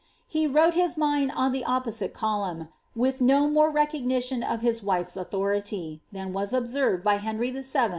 He wrote his mind on the opposite column with no more recognition of his wife's authority, than was observed by Henry VII.